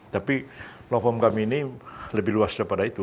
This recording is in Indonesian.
tapi law firm kami ini lebih luas daripada itu